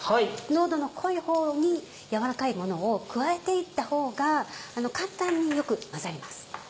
濃度の濃いほうにやわらかいものを加えて行ったほうが簡単によく混ざります。